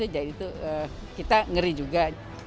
jadi itu kita ngeri juga